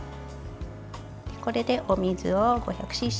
これで、お水を５００ｃｃ。